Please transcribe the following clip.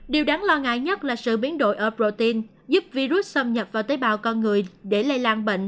điều đáng lo ngại nhất là sự biến đổi ở protein giúp virus xâm nhập vào tế bào con người để lây lan bệnh